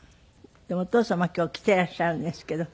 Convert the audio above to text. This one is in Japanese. でもお父様今日来ていらっしゃるんですけど。